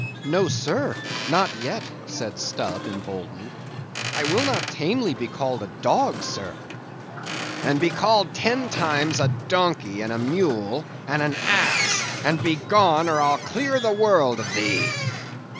"No, sir; not yet," said Stubb, emboldened, "I will not tamely be called a dog, sir." "Then be called ten times a donkey, and a mule, and an ass, and begone, or I'll clear the world of thee!"